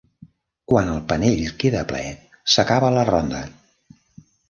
Quan el panell queda ple, s'acaba la ronda.